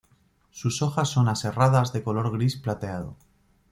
Sus hojas son aserradas de color gris plateado.